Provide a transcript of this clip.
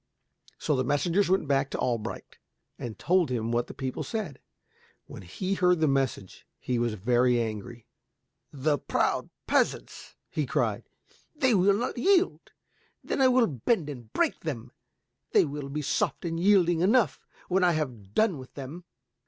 So the messengers went back to Albrecht and told him what the people said. When he heard the message he was very angry. "The proud peasants," he cried, "they will not yield. Then I will bend and break them. They will be soft and yielding enough when I have done with them."